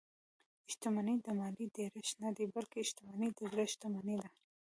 شتمني د مال ډېرښت نه دئ؛ بلکي شتمني د زړه شتمني ده.